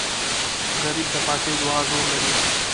غریب د پاکې دعا زور لري